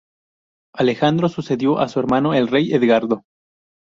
Alejandro sucedió a su hermano, el rey Edgardo.